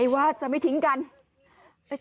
แบบนี้เลย